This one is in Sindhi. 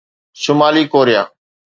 شمالي ڪوريا